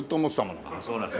そうなんですか。